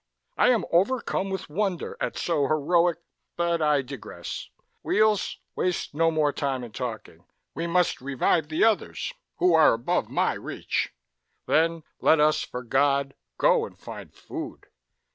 I am overcome with wonder at so heroic But I digress. Weels, waste no more time in talking. We must revive the others who are above my reach. Then let us, for God, go and find food."